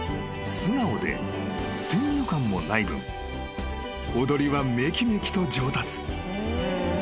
［素直で先入観もない分踊りはめきめきと上達］